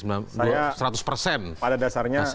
saya pada dasarnya